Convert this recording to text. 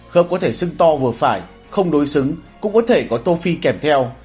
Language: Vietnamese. khớp có thể sưng to vừa phải không đối xứng cũng có thể có tô phi kèm theo